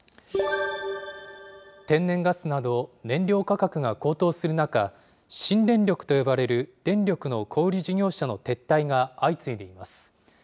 天然ガスなど、燃料価格が高騰する中、新電力と呼ばれる電力の小売り事業者の撤退が相次いでいます。